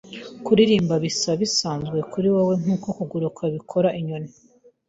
Kuririmba biza bisanzwe kuri we nkuko kuguruka bikora inyoni.